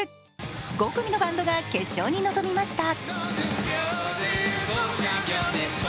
５組のバンドが決勝に臨みました。